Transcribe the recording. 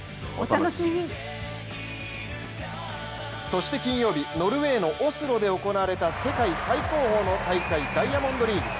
そして金曜日ノルウェーのオスロで行われた世界最高峰の大会ダイヤモンドリーグ。